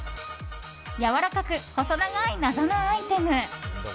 やわらかく、細長い謎のアイテム。